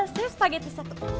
saya mau spaghetti satu